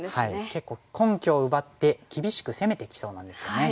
結構根拠を奪って厳しく攻めてきそうなんですよね。